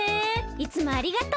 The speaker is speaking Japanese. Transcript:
いつもありがとう。